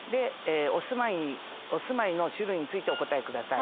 「お住まいの種類についてお答えください」。